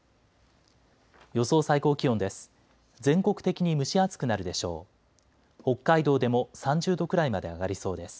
予想最高気温です。